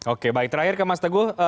oke baik terakhir ke mas teguh